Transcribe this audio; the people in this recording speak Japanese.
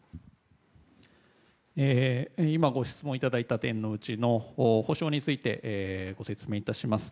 今、ご質問いただいた点のうちの補償についてご説明いたします。